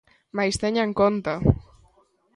Mais teñan conta.